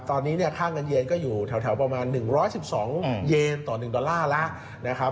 ตอนนี้เนี่ยค่าเงินเยนก็อยู่แถวประมาณ๑๑๒เยนต่อ๑ดอลลาร์แล้วนะครับ